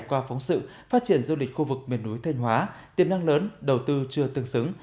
qua phóng sự phát triển du lịch khu vực miền núi thanh hóa tiềm năng lớn đầu tư chưa tương xứng